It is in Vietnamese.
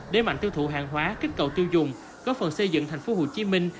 đếm ảnh tiêu thụ hàng hóa kích cầu tiêu dùng góp phần xây dựng thành phố hồ chí minh